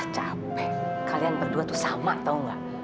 capek kalian berdua tuh sama tau nggak